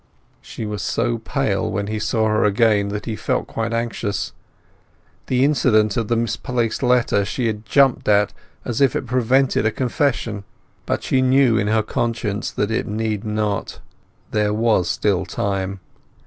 She was so pale when he saw her again that he felt quite anxious. The incident of the misplaced letter she had jumped at as if it prevented a confession; but she knew in her conscience that it need not; there was still time.